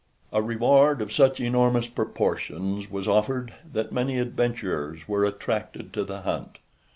A reward of such enormous proportions was offered that many adventurers were attracted to the hunt.